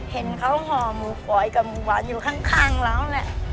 เห็นเขาห่อหมูก๋อยกับหมูหวานอยู่ข้างเราแหละ